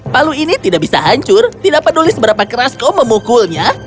palu ini tidak bisa hancur tidak peduli seberapa keras kau memukulnya